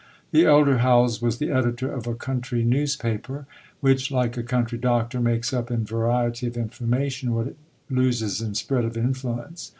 The elder Howells was the editor of a country newspaper, which, like a country doctor, makes up in variety of information what it loses in spread of influence.